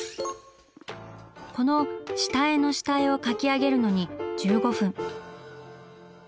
この「下絵の下絵」を描き上げるのに１５分。